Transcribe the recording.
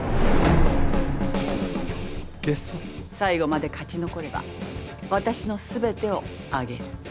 最後まで勝ち残れば私の全てをあげる。